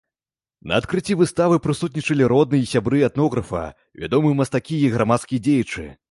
На адкрыцці выставы прысутнічалі родныя і сябры этнографа, вядомыя мастакі і грамадскія дзеячы.